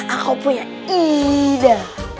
ah aku punya ide